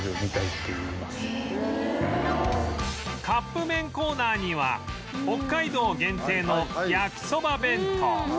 カップ麺コーナーには北海道限定のやきそば弁当